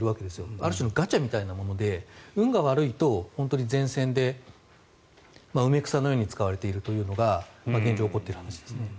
ある種のガチャみたいなもので運が悪いと本当に前線で埋め草のように使われているというのが現状起こっている話ですね。